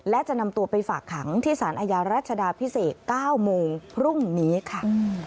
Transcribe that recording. และจะนำตัวไปฝากขังที่สารอาญารัชดาพิเศษ๙โมงพรุ่งนี้ค่ะ